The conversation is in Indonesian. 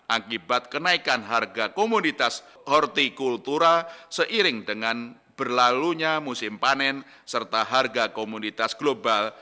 akibat kenaikan harga komoditas hortikultura seiring dengan berlalunya musim panen serta harga komoditas global